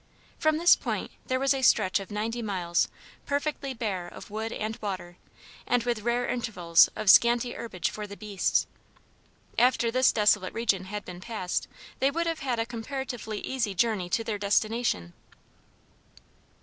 From this point there was a stretch of ninety miles perfectly bare of wood and water, and with rare intervals of scanty herbage for the beasts. After this desolate region had been passed they would have a comparatively easy journey to their destination.